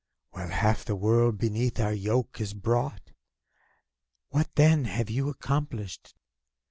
While half the world beneath our yoke is brought. What, then, have you accomplished?